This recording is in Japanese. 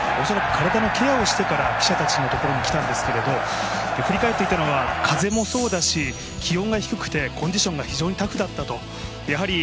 恐らく、体のケアをしてから記者たちのところにきたんですけど振り返っていたのは風もそうだし、気温が低くてコンディションが非常にタフだったと。